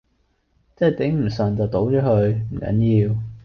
真係頂唔順就倒咗佢，唔緊要